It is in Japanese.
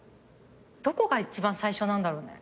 どこが一番最初なんだろうね？